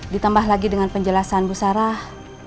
ditambah lagi dengan penjelasan bu sarah